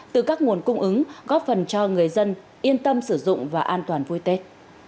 từ các nguồn cung ứng góp phần cho người dân yên tâm sử dụng và an toàn vui tết